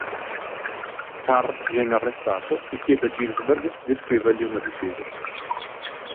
Carr viene arrestato e chiede a Ginsberg di scrivergli una difesa.